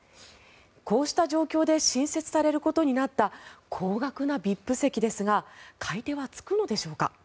こうした状況で新設されることになった高額なＶＩＰ席ですが買い手はつくのでしょうか。